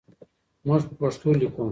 موږ په پښتو لیکو.